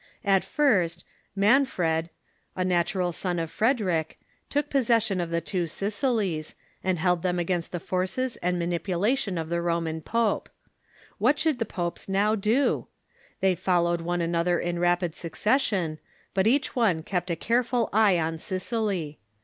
At first, Manfred, a natural son of Frederic, took possession of the Two Sicilies, and held them against the forces and manipulation of the Roman pope. What should the popes now do ? They followed one another in rapid succession, but each one kept a careful eye on Sicily.